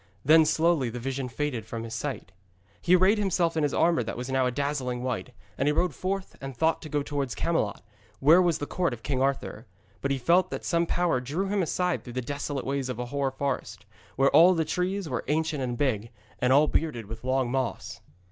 Then slowly the vision faded from his sight. He arrayed himself in his armour that was now of a dazzling white, and he rode forth and thought to go towards Camelot, where was the court of King Arthur. But he felt that some power drew him aside through the desolate ways of a hoar forest, where all the trees were ancient and big, and all bearded with long moss.